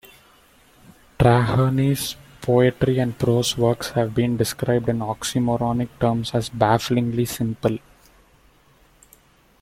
Traherne's poetry and prose works have been described in oxymoronic terms as bafflingly simple.